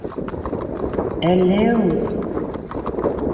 Әллеү!